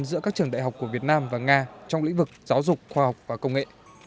giữa các trường đại học của việt nam và nga trong lĩnh vực giáo dục khoa học và công nghệ